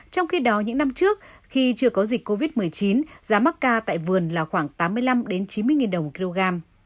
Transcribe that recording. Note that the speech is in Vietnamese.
trong khi đó những năm trước khi chưa có dịch covid một mươi chín giá mắc ca tại vườn là khoảng tám mươi năm chín mươi đồng một kg